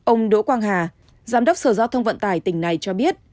ông đỗ quang hà giám đốc sở giao thông vận tải tỉnh này cho biết